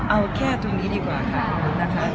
เอาแค่ตรงนี้ดีกว่าค่ะนะคะ